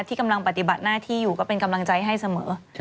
กำลังปฏิบัติหน้าที่อยู่ก็เป็นกำลังใจให้เสมอ